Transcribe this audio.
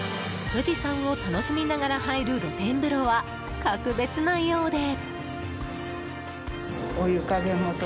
富士山を楽しみながら入る露天風呂は格別なようで。